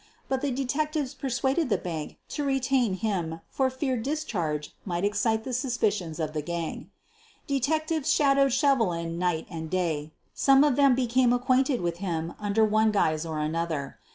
But the detectives persuaded the bank to retain him for fear discharge might excite the suspicions of the gang. Detectives shadowed Shevelin night and day. Some of them became acquainted with him under one guise or another.